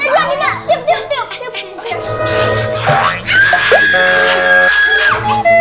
tidak tidak tidak tidak